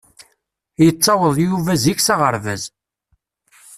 Yettaweḍ Yuba zik s aɣerbaz.